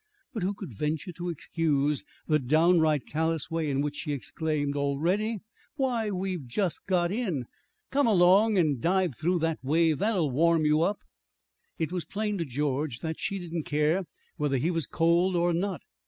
But who could venture to excuse the downright callous way in which she exclaimed, "Already? Why we've just got in! Come along and dive through that wave. That'll warm you up!" It was plain to George that she didn't care whether he was cold or not.